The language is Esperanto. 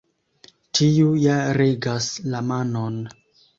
Tiu ja regas la manon.